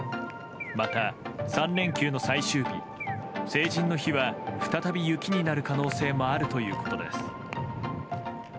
また３連休の最終日、成人の日は再び雪になる可能性もあるということです。